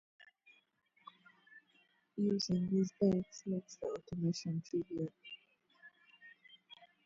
Using these dyes makes the automation trivial.